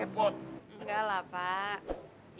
enggak lah pak